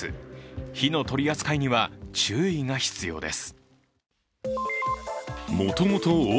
火の取り扱いには注意が必要です。